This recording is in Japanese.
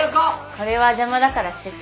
これは邪魔だから捨てて。